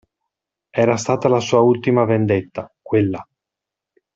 Era stata la sua ultima vendetta, quella!